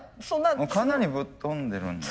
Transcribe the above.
かなりぶっ飛んでるんだ。